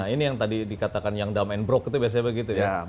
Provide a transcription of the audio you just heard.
ini yang tadi dikatakan yang down and broke itu biasanya begitu ya